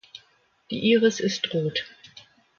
Die Iris ist rot.